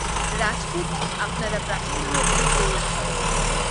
রাজপুত আপনারা প্রাচীন ভারতের গৌরবস্বরূপ।